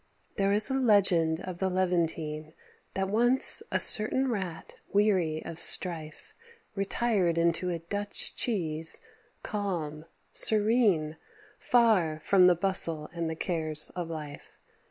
There is a legend of the Levantine, That once a certain Rat, weary of strife, Retired into a Dutch cheese, calm, serene, Far from the bustle and the cares of life.